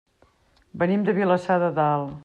Venim de Vilassar de Dalt.